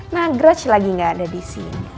nah grats lagi gak ada di sini